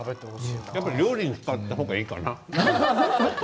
料理に使った方がいいかな。